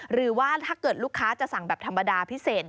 หรือว่าถ้าเกิดลูกค้าจะสั่งแบบธรรมดาพิเศษ